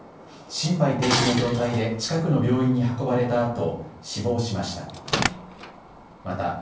心肺停止の状態で近くの病院に運ばれたあと、死亡しました。